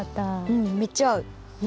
うんめっちゃあう。